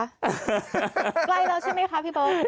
ใกล้แล้วใช่ไหมครับพี่โบ๊ค